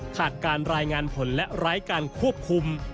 ขาดการรายงานผลและไร้การควบคุม